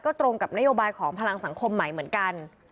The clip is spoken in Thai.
ตรงกับนโยบายของพลังสังคมใหม่เหมือนกัน